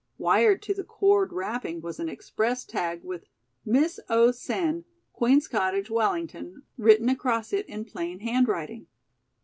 Wired to the cord wrapping was an express tag with "Miss O. Sen, Queen's Cottage, Wellington," written across it in plain handwriting.